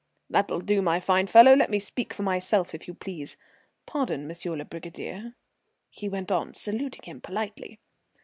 "That'll do, my fine fellow. Let me speak for myself, if you please. Pardon, M. le brigadier," he went on, saluting him politely.